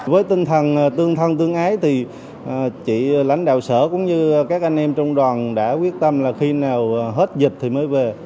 với tinh thần tương thân tương ái thì chị lãnh đạo sở cũng như các anh em trong đoàn đã quyết tâm là khi nào hết dịch thì mới về